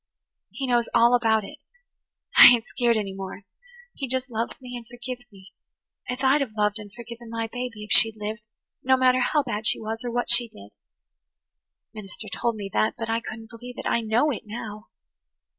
He knows all about it. I ain't skeered any more. He just loves me and forgives me as I'd have loved and forgiven my baby if she'd lived, no matter how bad she was, or what she did. The minister told me that but I couldn't believe it. I know it now.